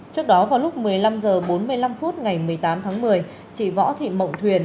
trước đó vào lúc một mươi năm h bốn mươi năm phút ngày một mươi tám tháng một mươi chị võ thị mộng thuyền